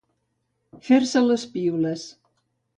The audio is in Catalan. Fer-se les piules.